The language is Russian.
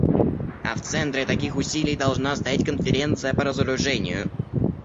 А в центре таких усилий должна стоять Конференция по разоружению.